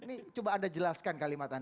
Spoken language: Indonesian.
ini coba anda jelaskan kalimantan